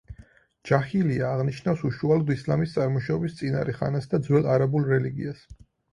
ჯაჰილია აღნიშნავს უშუალოდ ისლამის წარმოშობის წინარე ხანას და ძველ არაბულ რელიგიას.